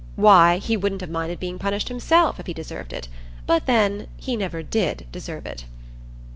Why, he wouldn't have minded being punished himself if he deserved it; but, then, he never did deserve it.